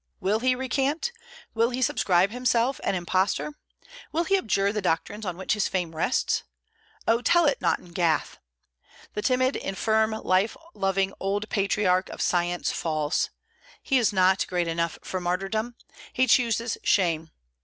Will he recant? Will he subscribe himself an imposter? Will he abjure the doctrines on which his fame rests? Oh, tell it not in Gath! The timid, infirm, life loving old patriarch of science falls. He is not great enough for martyrdom. He chooses shame.